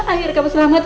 akhirnya kamu selamat